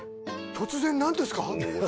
突然何ですか？